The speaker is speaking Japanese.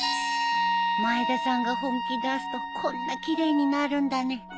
前田さんが本気出すとこんな奇麗になるんだね。